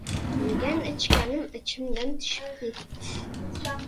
— Yegan-ichganim ichimdan tushib ketdi.